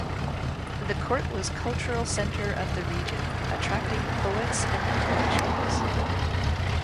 The court was cultural center of the region attracting poets and intellectuals.